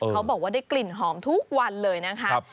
เขาบอกว่าได้กลิ่นหอมทุกวันเลยนะครับ